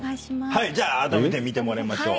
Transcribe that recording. あらためて見てもらいましょう。